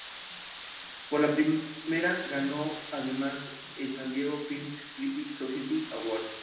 Por la primera ganó además el San Diego Film Critics Society Award.